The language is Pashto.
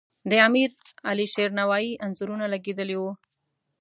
د امیر علیشیر نوایي انځورونه لګیدلي وو.